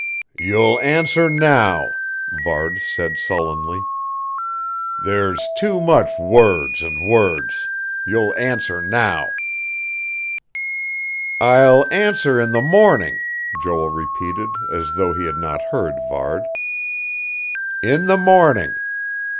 "You'll answer now," Varde said sullenly. "There's too much words and words.... You'll answer now." "I'll answer in the morning," Joel repeated, as though he had not heard Varde. "In the morning.